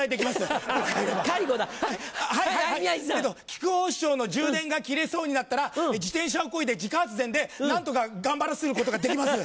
木久扇師匠の充電が切れそうになったら自転車をこいで自家発電で何とか頑張らせることができます！